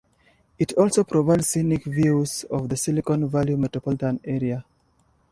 It also provides scenic views of the Silicon Valley Metropolitan Area.